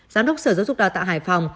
giám đốc sở dục đào tạo hải phòng